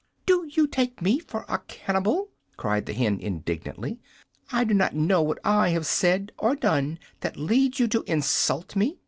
"Do you take me for a cannibal?" cried the hen, indignantly. "I do not know what I have said or done that leads you to insult me!"